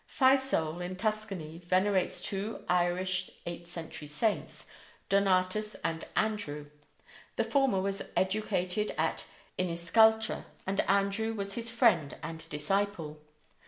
Fiesole, in Tuscany, venerates two Irish eighth century saints, Donatus and Andrew. The former was educated at Iniscaltra, and Andrew was his friend and disciple.